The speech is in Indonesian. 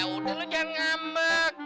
udah lu jangan ngambek